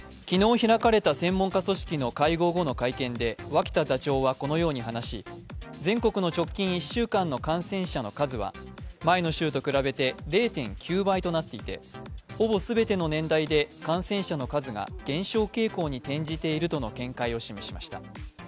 昨日開かれた専門家組織の会合後の会見で脇田座長は、このように話し、全国の直近１週間の感染者の数は前の週と比べて０．９倍となっていてほぼ全ての年代で感染者の数が減少傾向に転じているとの見解を示しました。